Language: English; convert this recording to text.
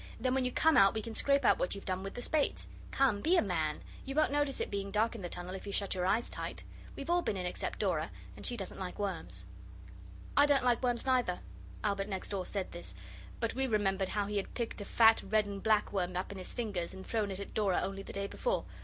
Then when you come out we can scrape out what you've done, with the spades. Come be a man. You won't notice it being dark in the tunnel if you shut your eyes tight. We've all been in except Dora and she doesn't like worms.' 'I don't like worms neither.' Albert next door said this; but we remembered how he had picked a fat red and black worm up in his fingers and thrown it at Dora only the day before.